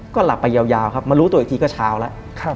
ก็หลับไปยาวครับมารู้ตัวอีกทีก็เช้าแล้ว